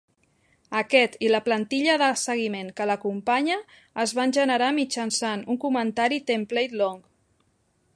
Aquest i la plantilla de seguiment que l'acompanya es van generar mitjançant un comentari Template:Long.